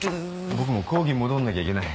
僕も講義戻んなきゃいけない。